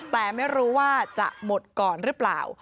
แต่ไม่รู้ว่าจะหมดก่อนหรือเปล่า